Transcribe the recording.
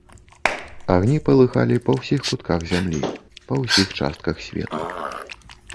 Агні палыхалі па ўсіх кутках зямлі, па ўсіх частках свету.